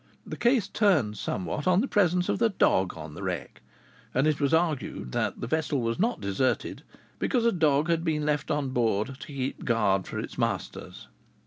The case turned somewhat on the presence of the dog on the wreck; and it was argued that the vessel was not deserted, because a dog had been left on board to keep guard for its masters.